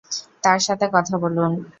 তার সাথে কথা বলুন।